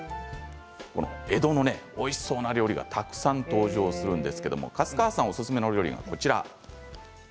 江戸のおいしそうな料理がたくさん登場するんですけど粕川さん、おすすめの料理がこちらです。